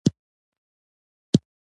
د افغانستان سیندونه ولې مست دي؟